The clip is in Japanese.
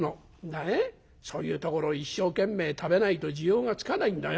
ねえそういうところ一生懸命食べないと滋養がつかないんだよ。